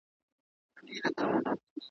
او نه د وکیل په څېر عدالت